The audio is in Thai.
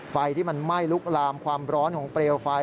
ไฟที่มันไหม้ลุกลามความร้อนของเปลวไฟ